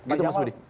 gitu mas budi